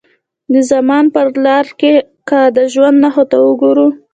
د زمان پر لارو که د ژوند نښو ته وګورو.